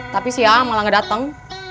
tapi si a'a malah ngedateng